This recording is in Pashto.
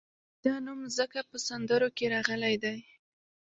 د ده نوم ځکه په سندرو کې راغلی دی.